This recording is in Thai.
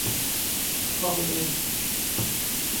คอเป็นเอ็น